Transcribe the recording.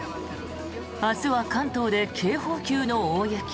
明日は関東で警報級の大雪。